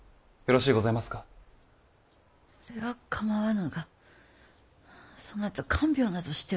それは構わぬがそなた看病などしては。